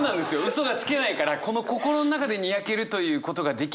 嘘がつけないからこの心の中でニヤけるということができる世之介はすごい。